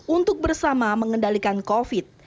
untuk bersama mengendalikan covid